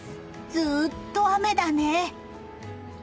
ずっと雨だね。